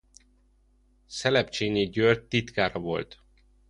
Szelepcsényi György titkára volt.